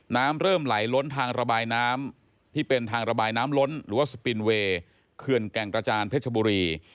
น้ำเริ่มไหลล้นทางระบายน้ำที่เป็นทางระบายน้ำล้นหรือว่าสปินเวย์เขื่อนแก่งกระจานเพชรบุรี